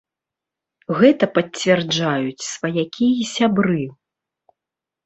Гэта пацвярджаюць сваякі і сябры.